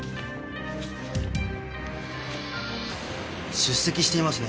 出席していますね。